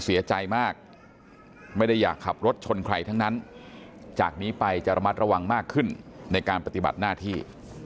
เสียใจมากไม่ได้อยากขับรถชนใครทั้งนั้นจากนี้ไปจะระมัดระวังมากขึ้นในการปฏิบัติหน้าที่